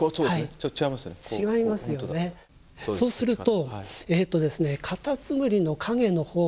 そうすると。